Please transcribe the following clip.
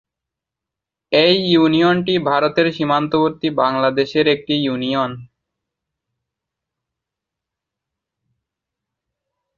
এই ইউনিয়নটি ভারতের সীমান্তবর্তী বাংলাদেশের একটি ইউনিয়ন।